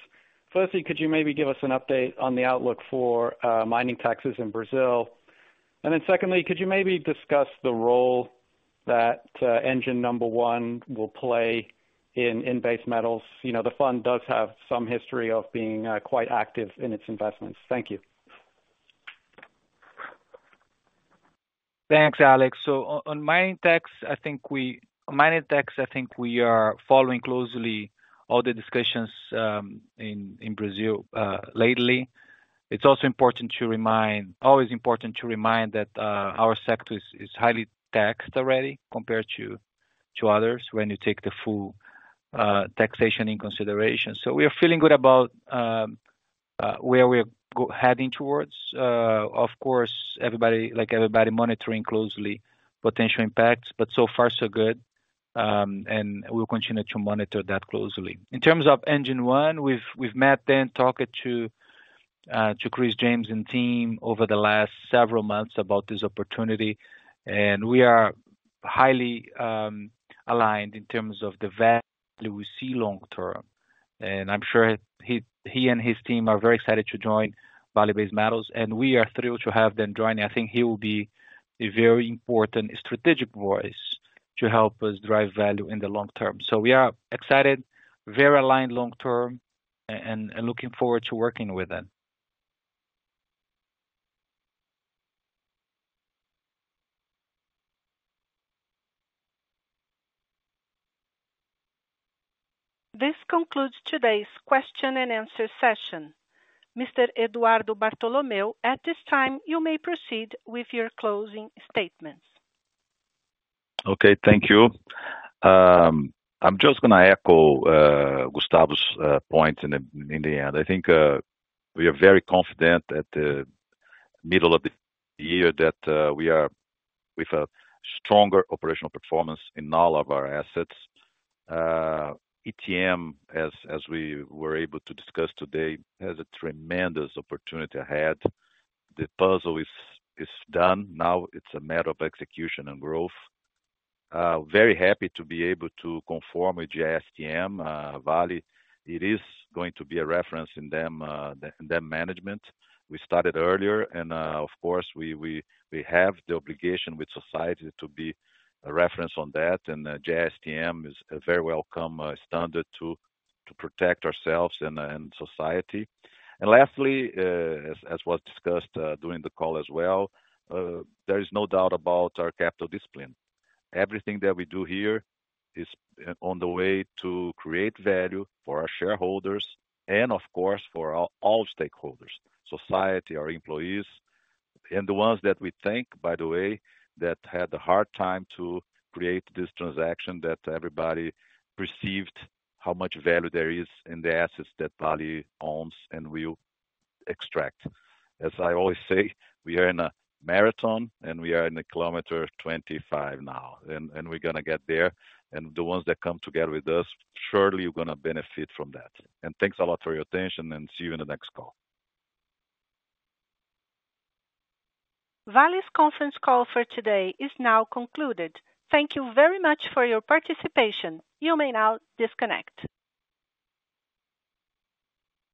Firstly, could you maybe give us an update on the outlook for mining taxes in Brazil? Secondly, could you maybe discuss the role that Engine No.1 will play in, in base metals? You know, the fund does have some history of being quite active in its investments. Thank you. Thanks, Alex. On mining tax, I think we are following closely all the discussions in, in Brazil lately. It's also important to remind, always important to remind that our sector is, is highly taxed already compared to, to others when you take the full taxation in consideration. We are feeling good about where we are heading towards. Of course, everybody, like everybody monitoring closely potential impacts, but so far so good. We'll continue to monitor that closely. In terms of Engine No. 1, we've, we've met them, talked to Chris James and team over the last several months about this opportunity, and we are highly aligned in terms of the value we see long term. I'm sure he, he and his team are very excited to join Vale Base Metals, and we are thrilled to have them joining. I think he will be a very important strategic voice to help us drive value in the long term. We are excited, very aligned long term, and looking forward to working with them. This concludes today's question and answer session. Mr. Eduardo Bartolomeo, at this time, you may proceed with your closing statements. Okay. Thank you. I'm just gonna echo, Gustavo's point in the end. I think, we are very confident at the middle of the year that, we are with a stronger operational performance in all of our assets. ETM, as, as we were able to discuss today, has a tremendous opportunity ahead. The puzzle is, is done, now it's a matter of execution and growth. Very happy to be able to conform with GISTM, Vale. It is going to be a reference in dam management. We started earlier, and, of course, we have the obligation with society to be a reference on that, and GISTM is a very welcome standard to protect ourselves and society. Lastly, as was discussed during the call as well, there is no doubt about our capital discipline. Everything that we do here is on the way to create value for our shareholders and of course, for all stakeholders, society, our employees, and the ones that we thank, by the way, that had a hard time to create this transaction, that everybody perceived how much value there is in the assets that Vale owns and will extract. As I always say, we are in a marathon, and we are in the kilometer 25 now, and we're gonna get there, and the ones that come together with us, surely you're gonna benefit from that. Thanks a lot for your attention, and see you in the next call. Vale's conference call for today is now concluded. Thank you very much for your participation. You may now disconnect.